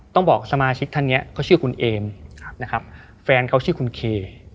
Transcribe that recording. ต้องบอกสมาชิกท่านนี้เขาชื่อคุณเอมนะครับแฟนเขาชื่อคุณเค